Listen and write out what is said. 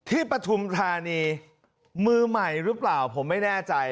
ที่ประธุมธรรมนี้มือใหม่หรือเปล่าผมไม่แน่ใจ